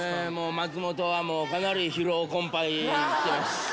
松本はかなり疲労困ぱいしてます。